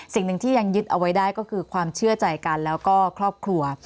สิ่งหนึ่งที่ยังยึดเอาไว้ได้ก็คือความเชื่อใจกันแล้วก็ครอบครัว